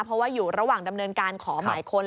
เพราะว่าอยู่ระหว่างดำเนินการขอหมายค้น